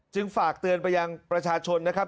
ฝากเตือนไปยังประชาชนนะครับ